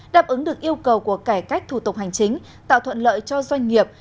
đáp ứng được yêu cầu của cải cách thủ tục hành chính tạo thuận lợi cho doanh nghiệp